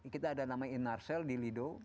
kita ada namanya inarcel di lido